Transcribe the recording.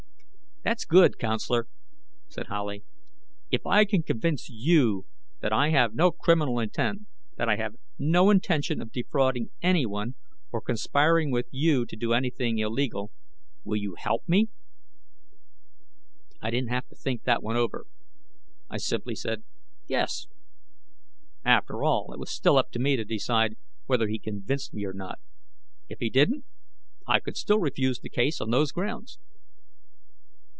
"That's good, counselor," said Howley. "If I can convince you that I have no criminal intent, that I have no intention of defrauding anyone or conspiring with you to do anything illegal, will you help me?" I didn't have to think that one over. I simply said, "Yes." After all, it was still up to me to decide whether he convinced me or not. If he didn't, I could still refuse the case on those grounds.